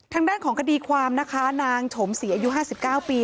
ทางด้านของคดีความนะคะนางฉมศรีอายุ๕๙ปี